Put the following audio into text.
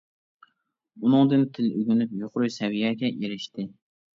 ئۇنىڭدىن تىل ئۆگىنىپ، يۇقىرى سەۋىيەگە ئېرىشتى.